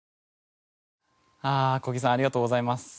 ああ小木さんありがとうございます。